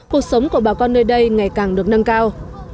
cuộc sống của bà con nơi đây ngày càng được nâng cao